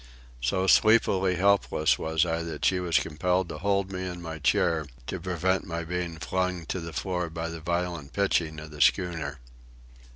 So sleepily helpless was I that she was compelled to hold me in my chair to prevent my being flung to the floor by the violent pitching of the schooner.